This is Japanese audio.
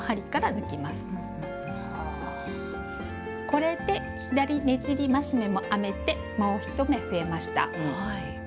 これで「左ねじり増し目」も編めてもう１目増えました。